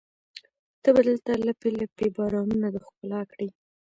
ته به دلته لپې، لپې بارانونه د ښکلا کړي